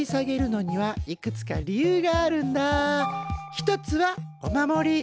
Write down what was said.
一つはお守り。